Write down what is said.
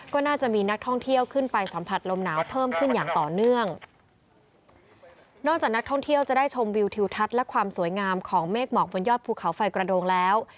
ก็น่าจะมีนักท่องเที่ยวขึ้นไปสัมผัสลมหนาวเพิ่มขึ้นอย่างต่อเนื่องนอกจากนักท่องเที่ยวจะได้ชมวิวทิวทัศน์และความสวยงามของเมฆหมอกบนยอดภูเขาไฟกระโดงแล้ว